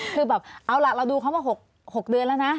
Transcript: คือแบบเอาล่ะเราดูเขามา๖เดือนแล้วนะ